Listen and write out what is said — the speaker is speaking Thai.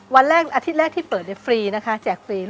วันแรกอาทิตย์แรกที่เปิดฟรีนะคะแจกฟรี